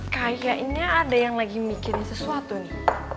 kayaknya ada yang lagi mikirin sesuatu nih